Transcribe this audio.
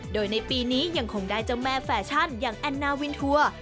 โดยในปีนี้ยังคงได้เจ้าแม่แฟชั่นอย่างแอนนาวินทัวร์